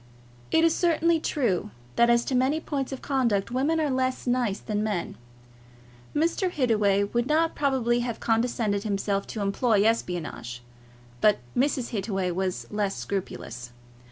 It is certainly true, that as to many points of conduct, women are less nice than men. Mr. Hittaway would not probably have condescended himself to employ espionage, but Mrs. Hittaway was less scrupulous.